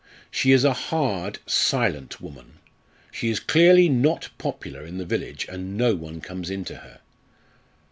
She is a hard, silent woman. She is clearly not popular in the village, and no one comes in to her.